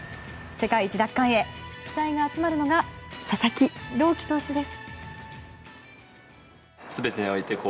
世界一奪還へ、期待が集まるのが佐々木朗希投手です。